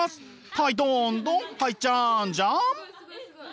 はいどんどんはいじゃんじゃん。